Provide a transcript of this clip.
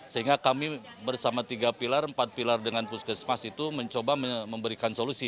sehingga kami bersama tiga pilar empat pilar dengan puskesmas itu mencoba memberikan solusi